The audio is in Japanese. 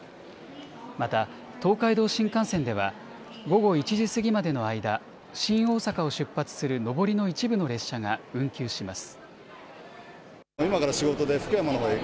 また東海道新幹線では午後１時過ぎまでの間、新大阪を出発する上りの一部の列車が運休します。